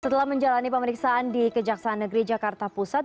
setelah menjalani pemeriksaan di kejaksaan negeri jakarta pusat